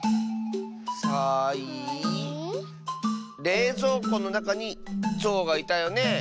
「れいぞうこ」のなかに「ぞう」がいたよねえ。